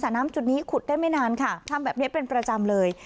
น้ำจุดนี้ขุดได้ไม่นานค่ะทำแบบนี้เป็นประจำเลย